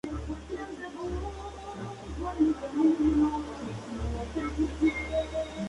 No se puede tomar en serio cuando los tiburones vuelan en el cielo.